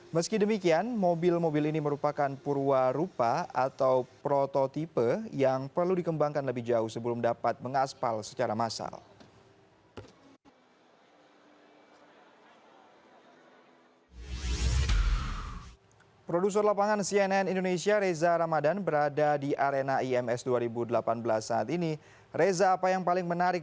meski demikian mobil mobil ini merupakan purwarupa atau prototipe yang perlu dikembangkan lebih jauh sebelum dapat mengaspal secara massal